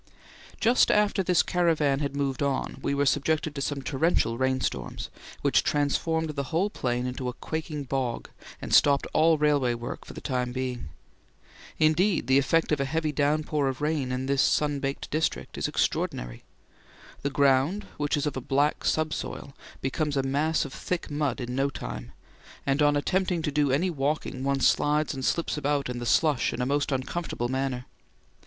Just after this caravan had moved on we were subjected to some torrential rain storms, which transformed the whole plain into a quaking bog and stopped all railway work for the time being. Indeed, the effect of a heavy downpour of rain in this sun baked district is extraordinary. The ground, which is of a black sub soil, becomes a mass of thick mud in no time, and on attempting to do any walking one slides and slips about in the slush in a most uncomfortable manner.